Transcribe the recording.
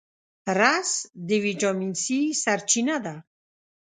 رس د ویټامین C سرچینه ده